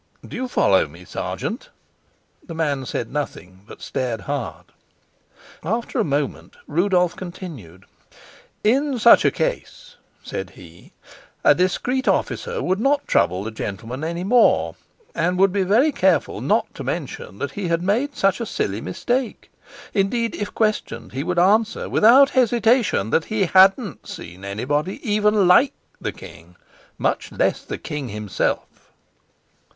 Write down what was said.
Do you follow me, sergeant?" The man said nothing, but stared hard. After a moment Rudolf continued: "In such a case," said he, "a discreet officer would not trouble the gentleman any more, and would be very careful not to mention that he had made such a silly mistake. Indeed, if questioned, he would answer without hesitation that he hadn't seen anybody even like the king, much less the king himself."